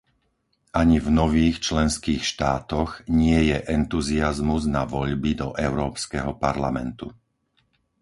Ani v nových členských štátoch nie je entuziazmus na voľby do Európskeho parlamentu.